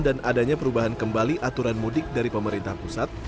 dan adanya perubahan kembali aturan mudik dari pemerintah pusat